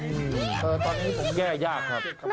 เออตอนนี้ผมแก้ยากครับ